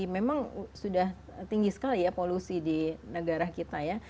memang sudah tinggi sekali ya polusi di negara kita ya